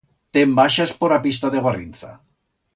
Te'n baixas por a pista de Guarrinza.